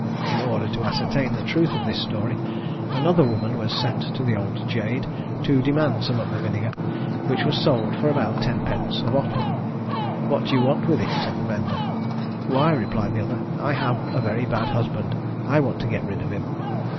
In order to ascertain the truth of this story, another woman was sent to the old jade, to demand some of the vinegar, which was sold for about ten pence a bottle. 'What do you want with it?' said the vender: 'Why,' replied the other, 'I have a very bad husband, and I want to get rid of him.'